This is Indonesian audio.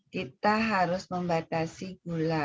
kita harus membatasi gula